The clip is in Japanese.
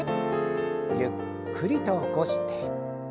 ゆっくりと起こして。